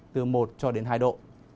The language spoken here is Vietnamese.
từ một cho đến hai độ